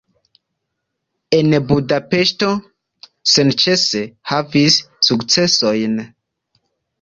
En Budapeŝto senĉese havis sukcesojn.